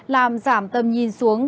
làm giảm tầm nhìn xuống